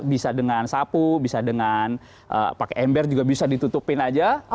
bisa dengan sapu bisa dengan pakai ember juga bisa ditutupin aja